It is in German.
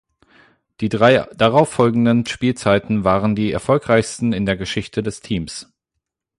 Die drei darauffolgenden Spielzeiten waren die erfolgreichsten in der Geschichte des Teams.